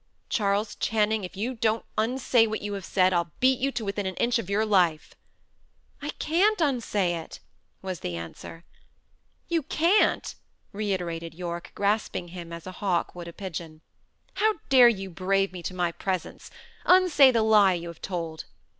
"Charles Channing, if you don't unsay what you have said, I'll beat you to within an inch of your life." "I can't unsay it," was the answer. "You can't!" reiterated Yorke, grasping him as a hawk would a pigeon. "How dare you brave me to my presence? Unsay the lie you have told."